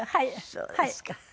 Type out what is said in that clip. そうですか。